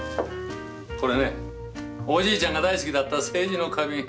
これねおじいちゃんが大好きだった青磁の花瓶。